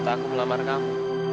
tempat aku mengamarkan kamu